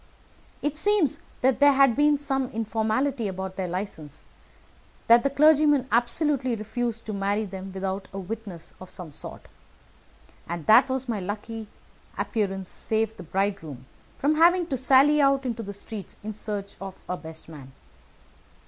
It seems that there had been some informality about their license; that the clergyman absolutely refused to marry them without a witness of some sort, and that my lucky appearance saved the bridegroom from having to sally out into the streets in search of a best man.